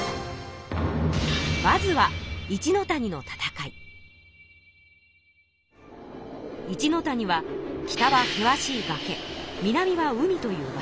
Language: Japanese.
まずは一ノ谷は北は険しい崖南は海という場所。